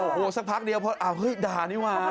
โอ้โหสักพักเดียวพออ้าวเฮ้ยด่านี่ว่ะ